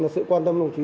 sự quan tâm đồng chí